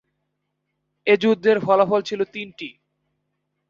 এই যুদ্ধের ফলাফল ছিল তিনটি।